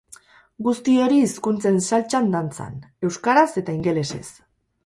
Guzti hori hizkuntzen saltsan dantzan, euskaraz eta ingelesez.